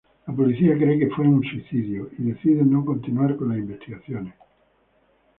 La policía cree que fue un suicidio y deciden no continuar con las investigaciones.